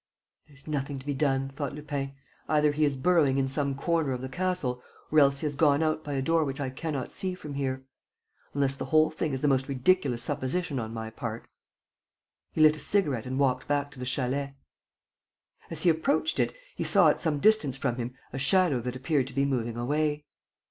... "There's nothing to be done," thought Lupin. "Either he is burrowing in some corner of the castle ... or else he has gone out by a door which I cannot see from here. Unless the whole thing is the most ridiculous supposition on my part. ..." He lit a cigarette and walked back to the chalet. As he approached it, he saw, at some distance from him, a shadow that appeared to be moving away.